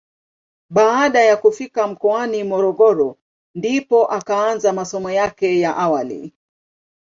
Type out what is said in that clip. Baada ya kufika mkoani Morogoro ndipo akaanza masomo yake ya awali.